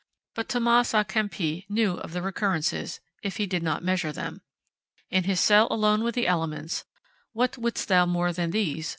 But Thomas a Kempis knew of the recurrences, if he did not measure them. In his cell alone with the elements 'What wouldst thou more than these?